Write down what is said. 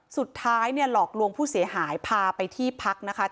สุดท้ายเนี่ยหลอกลวงผู้เสียหายพาไปที่พักนะคะ